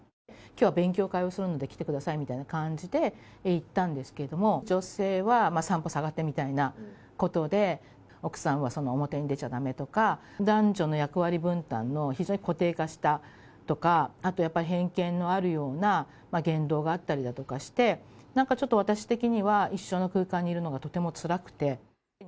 きょうは勉強会をするので来てくださいみたいな感じで行ったんですけれども、女性は三歩下がってみたいなことで、奥さんは表に出ちゃだめとか、男女の役割分担の非常に固定化したとか、やっぱり偏見のあるような言動があったりだとかして、なんかちょっと私的には、一緒の空間にいるのがとてもつらくて。